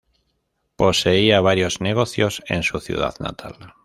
Poseía varios negocios en su ciudad natal.